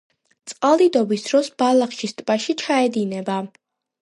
წყალდიდობის დროს ბალხაშის ტბაში ჩაედინება.